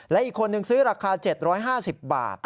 และอีกคนนึงซื้อราคา๗๕๐บาท